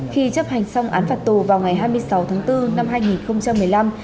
khi chấp hành xong án phạt tù vào ngày hai mươi sáu tháng bốn năm hai nghìn một mươi năm